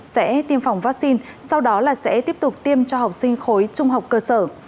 sẽ tiêm phòng vaccine sau đó là sẽ tiếp tục tiêm cho học sinh khối trung học cơ sở